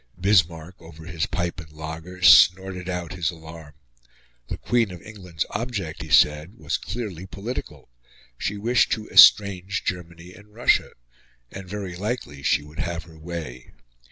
Bismarck, over his pipe and lager, snorted out his alarm. The Queen of England's object, he said, was clearly political she wished to estrange Germany and Russia and very likely she would have her way.